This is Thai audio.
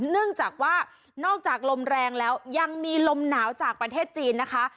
เนื่องจากว่านอกจากลมแรงแล้วยังมีลมหนาวจากประเทศจีนนะคะ